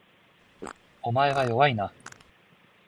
お前は弱いな